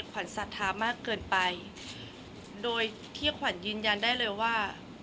ศรัทธามากเกินไปโดยที่ขวัญยืนยันได้เลยว่า